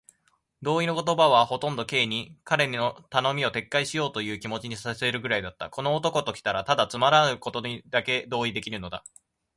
同意の言葉はほとんど Ｋ に、彼の頼みを撤回しようというという気持にさせるくらいだった。この男ときたら、ただつまらぬことにだけ同意できるのだ。